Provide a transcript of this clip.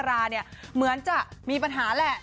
หมายถึงจะมีปัญหาแหละ